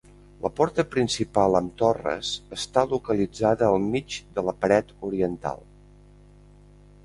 La porta principal, amb torres està localitzada al mig de la paret oriental.